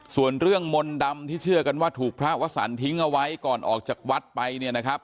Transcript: ส่วนเรื่องมนต์ดำที่เชื่อกันว่าถูกพระวสันทิ้งเอาไว้ก่อนออกจากวัดไปเนี่ยนะครับ